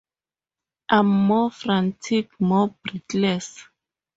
I'm more frantic, more breathless.